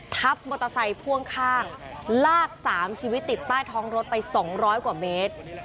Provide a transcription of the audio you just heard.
ทับมอเตอร์ไซค์พ่วงข้างลาก๓ชีวิตติดใต้ท้องรถไป๒๐๐กว่าเมตร